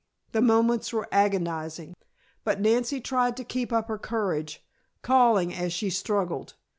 The moments were agonizing, but Nancy tried to keep up her courage, calling as she struggled.